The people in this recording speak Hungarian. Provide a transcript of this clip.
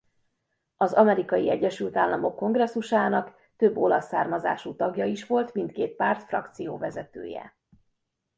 Az Amerikai Egyesült Államok Kongresszusának több olasz származású tagja is volt mindkét párt frakcióvezetője.